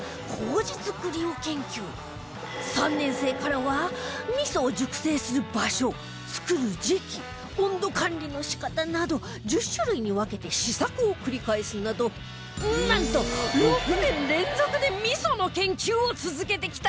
３年生からは味噌を熟成する場所作る時期温度管理の仕方など１０種類に分けて試作を繰り返すなどなんと６年連続で味噌の研究を続けてきた敬蔵君